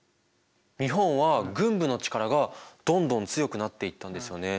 日本は軍部の力がどんどん強くなっていったんですよね。